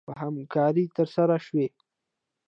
په همکارۍ ترسره شوې